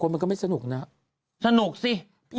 มันก็ไม่สนุกนะสนุกสิ